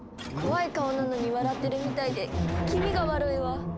怖い顔なのに笑ってるみたいで気味が悪いわ。